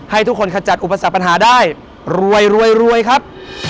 ให้ทุกคนขจัดอุปสรรคปัญหาได้รวยรวยครับ